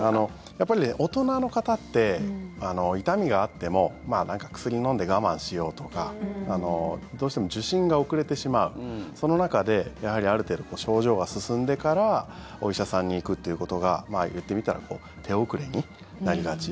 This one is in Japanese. やっぱりね、大人の方って痛みがあっても薬を飲んで我慢しようとかどうしても受診が遅れてしまうその中で、ある程度症状が進んでからお医者さんに行くっていうことが言ってみれば手遅れになりがち。